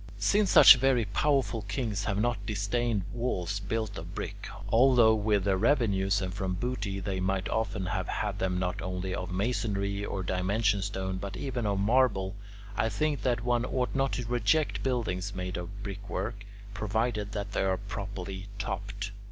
Since such very powerful kings have not disdained walls built of brick, although with their revenues and from booty they might often have had them not only of masonry or dimension stone but even of marble, I think that one ought not to reject buildings made of brick work, provided that they are properly "topped."